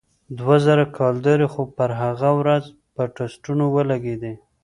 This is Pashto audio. دوه زره کلدارې خو پر هغه ورځ په ټسټونو ولگېدې.